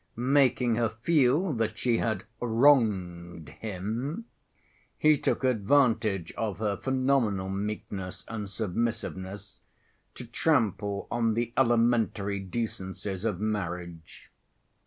Making her feel that she had "wronged" him, he took advantage of her phenomenal meekness and submissiveness to trample on the elementary decencies of marriage.